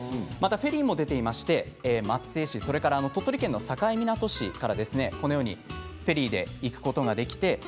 フェリーも出ていまして松江市、または鳥取県の境港市からフェリーで行くことができます。